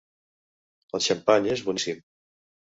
El xampany és boníssim.